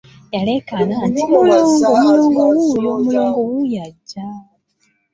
Yaleekaana nti, Mulongo, Mulongo wuuyo, Mulongo wuuyo ajja!